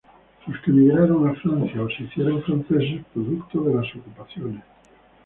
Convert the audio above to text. Los que migraron a Francia, o se hicieron franceses producto de las ocupaciones.